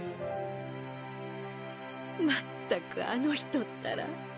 まったくあのひとったら。